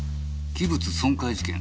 器物損壊事件。